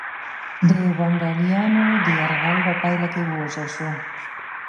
د ونډالیانو د یرغل په پایله کې ووژل شو.